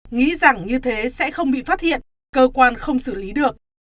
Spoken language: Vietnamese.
nghĩ rằng như thế sẽ không bị phát hiện cơ quan không xử lý được